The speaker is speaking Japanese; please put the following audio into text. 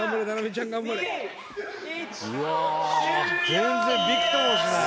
全然ビクともしない！